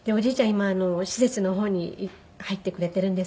今施設の方に入ってくれているんですけど。